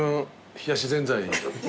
冷やしぜんざいで。